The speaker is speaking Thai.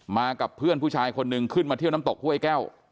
กับเพื่อนผู้ชายคนนึงขึ้นมาเที่ยวน้ำตกห้วยแก้ว